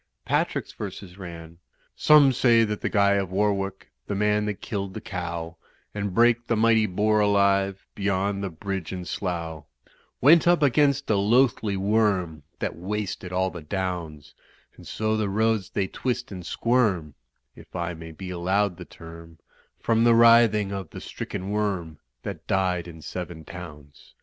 Patrick's verses ran: "Some say that Guy of Warwick, The man that killed the Cow, And brake the mighty Boar alive, Beyond the Bridge at Slough, Went up against a Loathly Worm That wasted all the Downs, And so the roads they twist and squirm (If I may be allowed the term) From the writhing of the stricken Worm That died in seven towns.